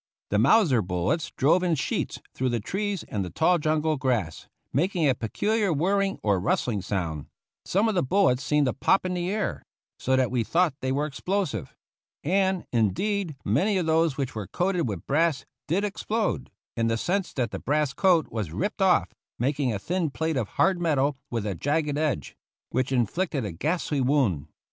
The Mauser bullets drove in sheets through the trees and the tall jungle grass, making a peculiar whirring or rustling sound; some of the bullets seemed to pop in the air, so that we thought they were explosive ; and, indeed, many of those which were coated with brass did explode, in the sense that the brass coat was ripped off, mak'ng a thin plate of hard metal with a jagged 121 THE ROUGH RIDERS edge, which inflicted a ghastly wound.